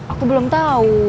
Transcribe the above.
aku belum tahu